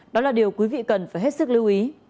đó là điều quý vị cần phải hết sức lưu ý